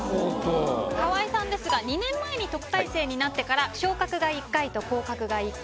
河合さんですが２年前に特待生になってから昇格が１回と降格が１回。